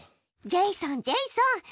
ジェイソンジェイソン！